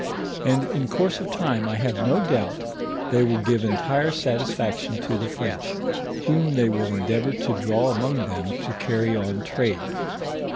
And in course of time I have no doubt they will give entire satis faction to the French, whom they will endeavor to draw among them to carry on trade.